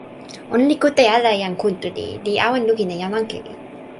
ona li kute ala e jan Kuntuli, li awen lukin e jan Ankewi.